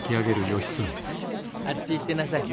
あっち行ってなさい。